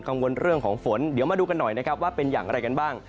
วนเรื่องของฝนเดี๋ยวมาดูกันหน่อยนะครับว่าเป็นอย่างไรกันบ้าง